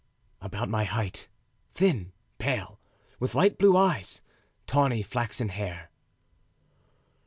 "About my height; thin, pale, with light blue eyes and tawny flaxen hair."